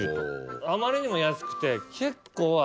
あまりにも安くて。